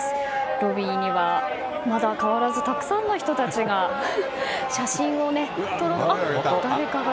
ロビーにはまだ変わらずたくさんの人たちが写真を撮ろうと。